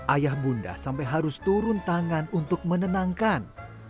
ayah bunda sampai harus turun tangan untuk menenangkan